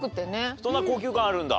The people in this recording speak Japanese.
そんな高級感あるんだ？